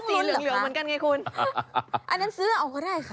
หมี่ซั่วสีเหลืองเหมือนกันไงคุณ